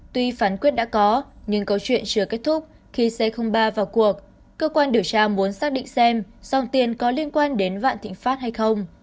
tuy phán quyết đã có nhưng câu chuyện chưa kết thúc khi c ba vào cuộc cơ quan điều tra muốn xác định xem dòng tiền có liên quan đến vạn thịnh pháp hay không